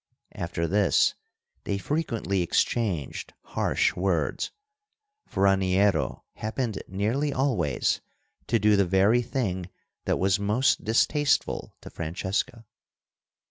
After this they frequently exchanged harsh words, for Raniero happened nearly always to do the very thing that was most distasteful to Francesca.